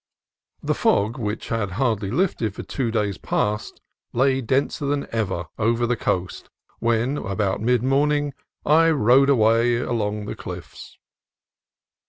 THE fog, which had hardly lifted for two days past, lay denser than ever over the coast when, about mid morning, I rode away along the cliffs.